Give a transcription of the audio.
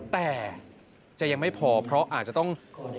แต่จะยังไม่พอเพราะอาจจะต้อง